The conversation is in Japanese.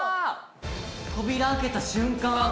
扉開けた瞬間！